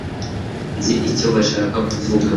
nzi icyo bashaka kuvuga